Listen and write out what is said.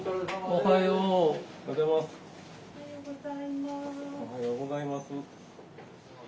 おはようございます。